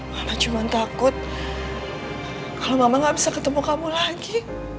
malah cuma takut kalau mama gak bisa ketemu kamu lagi